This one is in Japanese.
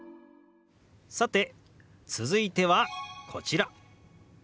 さて続いてはこちら。